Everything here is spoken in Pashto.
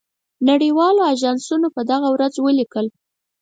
نړۍ والو آژانسونو په دغه ورځ ولیکل.